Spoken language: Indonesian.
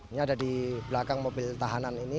ini ada di belakang mobil tahanan ini